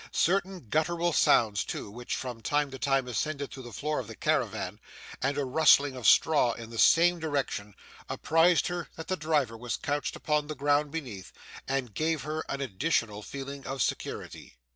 Certain guttural sounds, too, which from time to time ascended through the floor of the caravan, and a rustling of straw in the same direction, apprised her that the driver was couched upon the ground beneath, and gave her an additional feeling of security.